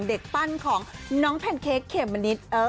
เด็กปั้นของน้องแพนเค้กเขียบมณิต